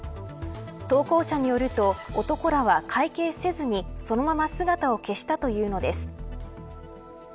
投稿者によると男らは会計をせずにそのまま姿を消したというのです。